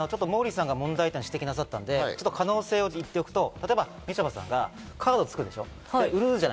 モーリーさんが問題点を指摘なさったので可能性を言っておくと例えばみちょぱさんがカードを作って売るでしょ。